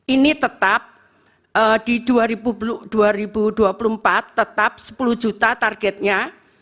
ini tetap di dua ribu dua puluh empat tetap sepuluh juta targetnya